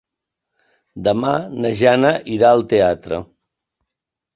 Demà na Jana irà al teatre.